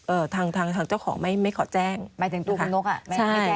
เอ่อทางทางทางเจ้าของไม่ไม่ขอแจ้งหมายถึงตัวคุณนกอ่ะใช่